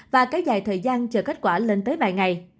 và kéo dài thời gian chờ kết quả lên tới vài ngày